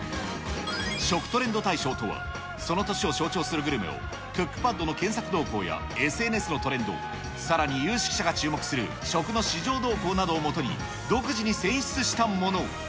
食トレンド大賞とは、その年を象徴するグルメを、クックパッドの検索動向やＳＮＳのトレンド、さらに有識者が注目する食の市場動向などをもとに、独自に選出したもの。